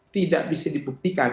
tidak bisa dibuktikan